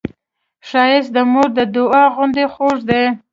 ښایست د مور د دعا غوندې خوږ دی